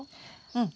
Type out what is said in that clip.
うん。